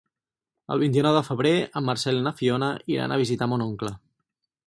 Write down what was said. El vint-i-nou de febrer en Marcel i na Fiona iran a visitar mon oncle.